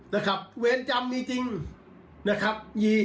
นะครับเวรกรรมมีจริงนะครับ